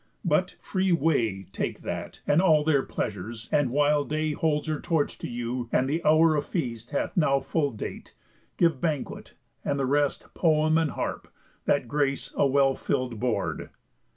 But, free way Take that, and all their pleasures; and while day Holds her torch to you, and the hour of feast Hath now full date, give banquet, and the rest, Poem and harp, that grace a well fill'd board."